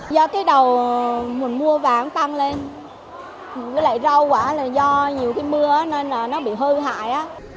do cái đầu mua vàng tăng lên với lại rau quả là do nhiều cái mưa nên là nó bị hư hại